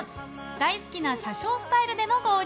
大好きな車掌スタイルでの合流。